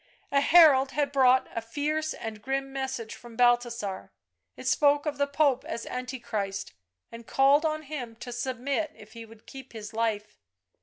A herald had brought a fierce and grim message from Balthasar. It spoke of the Pope as Antichrist, and called on him to submit if he would keep his life.